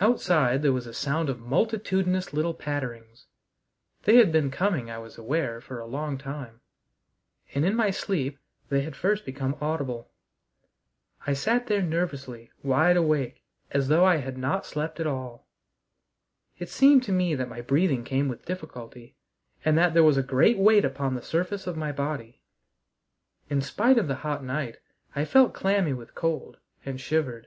Outside there was a sound of multitudinous little patterings. They had been coming, I was aware, for a long time, and in my sleep they had first become audible. I sat there nervously wide awake as though I had not slept at all. It seemed to me that my breathing came with difficulty, and that there was a great weight upon the surface of my body. In spite of the hot night, I felt clammy with cold and shivered.